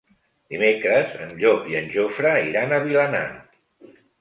Dimecres en Llop i en Jofre iran a Vilanant.